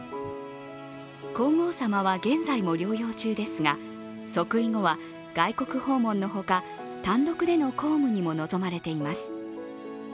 皇后さまは現在も療養中ですが、即位後は外国訪問のほか、単独での公務にも臨まれています。